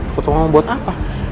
foto mama buat apa